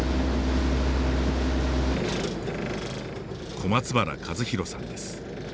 小松原和弘さんです。